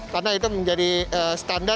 karena itu menjadi standar